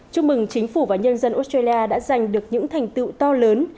chúc mừng chính phủ và nhân dân australia đã giành được những thành tựu to lớn